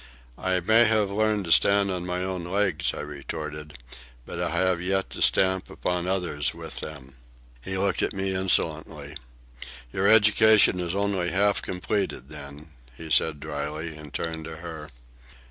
"I may have learned to stand on my own legs," I retorted. "But I have yet to stamp upon others with them." He looked at me insolently. "Your education is only half completed, then," he said dryly, and turned to her.